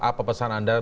apa pesan anda